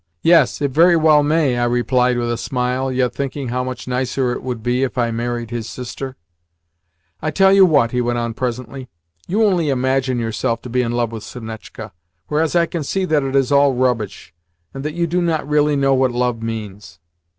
"Yes, it very well may" I replied with a smile, yet thinking how much nicer it would be if I married his sister. "I tell you what," he went on presently; "you only imagine yourself to be in love with Sonetchka, whereas I can see that it is all rubbish, and that you do not really know what love means."